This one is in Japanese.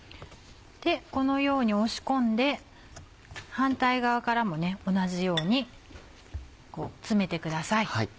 このように押し込んで反対側からも同じようにこう詰めてください。